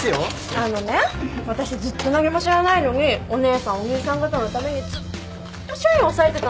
あのね私ずっと何も知らないのにお姉さんお兄さん方のためにずーっと社員を抑えてたんですからね。